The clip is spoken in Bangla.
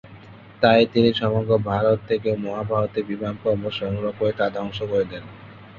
তাই তিনি সমগ্র ভারত থেকে মহাভারতের বিমান পর্ব সংগ্রহ করে তা ধ্বংস করে দেন।